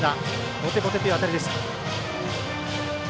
ボテボテという当たりでした。